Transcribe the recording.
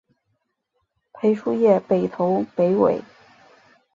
裴叔业北投北魏。